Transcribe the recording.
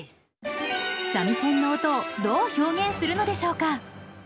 三味線の音をどう表現するのでしょうか？